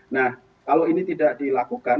nah kalau ini tidak dilakukan